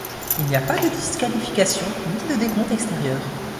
Il n'y a pas de disqualification, ni de décompte extérieur.